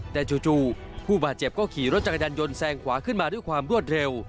แต่จู่ผู้บาดเจ็บก็ขี่รถจักรยานยนต์แซงขวาขึ้นมาด้วยความรวดเร็ว